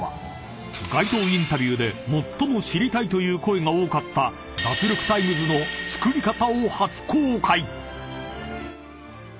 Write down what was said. ［街頭インタビューで最も知りたいという声が多かった『脱力タイムズ』の作り方を初公開！］